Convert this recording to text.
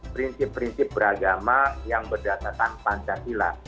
prinsip prinsip beragama yang berdasarkan pancasila